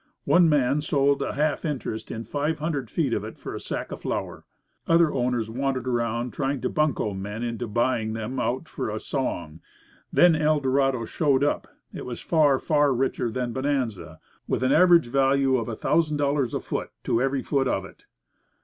One man sold a half interest in five hundred feet of it for a sack of flour. Other owners wandered around trying to bunco men into buying them out for a song. And then Eldorado "showed up." It was far, far richer than Bonanza, with an average value of a thousand dollars a foot to every foot of it.